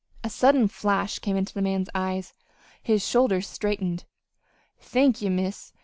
A sudden flash came into the man's eyes. His shoulders straightened. "Thank ye, Miss.